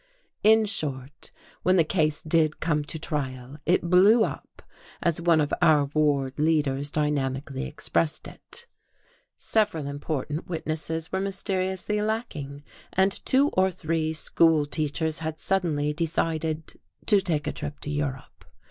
In short, when the case did come to trial, it "blew up," as one of our ward leaders dynamically expressed it. Several important witnesses were mysteriously lacking, and two or three school teachers had suddenly decided to take a trip to Europe.